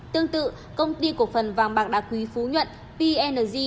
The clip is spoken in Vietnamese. tương tự công ty cổ phần vàng bạc đa quý phú nhuận p g